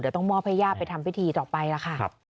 เดี๋ยวต้องมอบให้ญาติไปทำพิธีต่อไปล่ะค่ะ